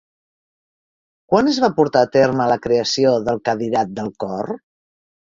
Quan es va portar a terme la creació del cadirat del cor?